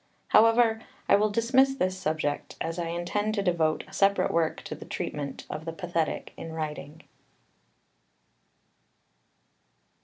However, I will dismiss this subject, as I intend to devote a separate work to the treatment of the pathetic in writing.